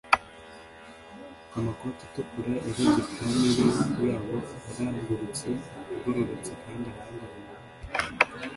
Amakoti atukura yarebye priming yabo! Yarahagurutse, agororotse kandi arahagarara!